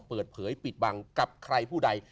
เปิดเผยปิดบังกับใครผู้ใด